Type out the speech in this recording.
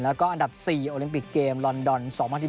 แล้วก็อันดับ๔โอลิมปิกเกมลอนดอน๒๐๑๘